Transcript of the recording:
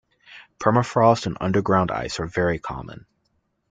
Permafrost and underground ice are very common.